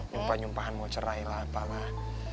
nyumpah nyumpahan mau cerai lah apalah